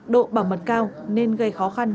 độ bảo mật cao nên gây khó khăn